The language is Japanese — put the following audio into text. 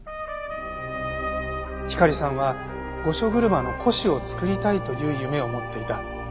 ひかりさんは御所車の古酒を造りたいという夢を持っていた。